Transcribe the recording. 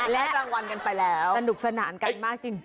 เลขรางวัลกันไปแล้วสนุกสนานกันมากจริง